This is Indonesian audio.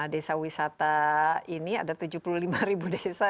desa wisata ini ada tujuh puluh lima ribu desa